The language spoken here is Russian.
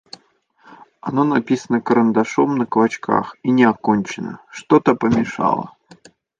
Оно написано карандашом на клочках и не окончено: что-то помешало.